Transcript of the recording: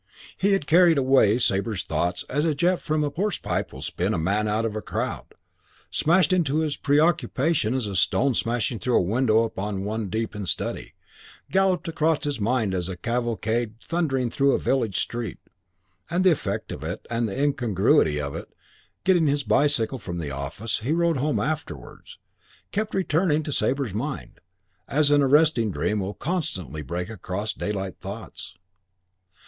He had carried away Sabre's thoughts as a jet from a hosepipe will spin a man out of a crowd; smashed into his preoccupation as a stone smashing through a window upon one deep in study; galloped across his mind as a cavalcade thundering through a village street, and the effect of it, and the incongruity of it as, getting his bicycle from the office, he rode homewards, kept returning to Sabre's mind, as an arresting dream will constantly break across daylight thoughts.